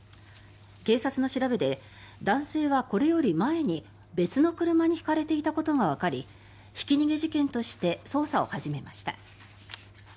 警察の調べで男性はこれより前に別の車にひかれていたことがわかりひき逃げ事件として捜査を始めました。